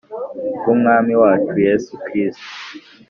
bw Umwami wacu Yesu Kristo